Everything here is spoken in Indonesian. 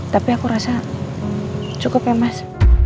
tapi aku rasa cukup ya mas